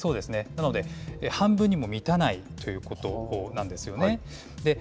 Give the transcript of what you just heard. なので、半分にも満たないということなんですよね。